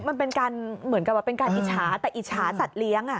คือมันเหมือนกันว่าเป็นการอิชาแต่อิชาสัตว์เลี้ยง